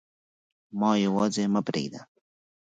ما یواځي مه پریږده